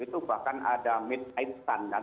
itu bahkan ada mid night sun kan